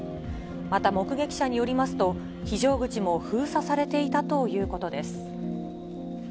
また目撃者によりますと、非常口も封鎖されていたということです。